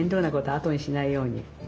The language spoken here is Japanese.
あとにしないように。